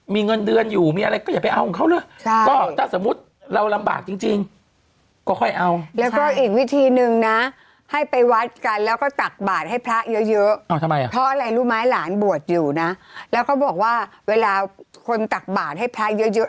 มันก็ยังช่วยได้มันก็ยังดีไม่ง่ายมันก็ยังช่วยได้อยู่